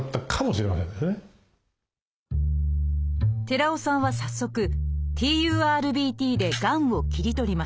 寺尾さんは早速ＴＵＲＢＴでがんを切り取ります。